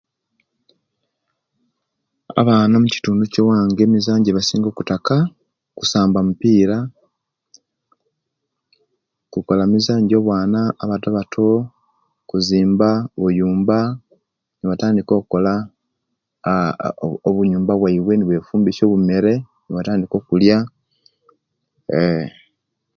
Abaana mubitundu ekya ewange emizaanyo ejebasinga okutaka, kusamba mupiira, kukola mizaanyo jabaana batobato, kuzimba bunyumba nebatandiika okola obunyumba bwaabwe, nebeefumbisya obumere nebatandiika okulia eeh.